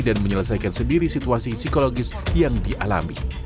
dan menyelesaikan sendiri situasi psikologis yang dialami